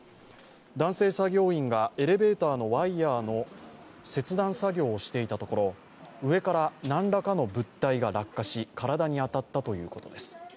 男性作業員がエレベーターのワイヤーの切断作業をしていたところ上から何らかの物体が落下し体に当たったということです。